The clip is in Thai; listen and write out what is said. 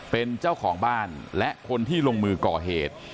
เป็นเจ้าของบ้านและคนที่ลงมือก่อเหตุ